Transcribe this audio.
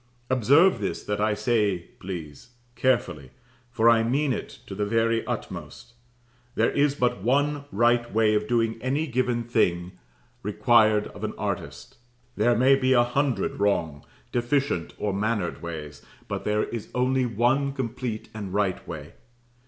Observe this that I say, please, carefully, for I mean it to the very utmost. There is but one right way of doing any given thing required of an artist; there may be a hundred wrong, deficient, or mannered ways, but there is only one complete and right way.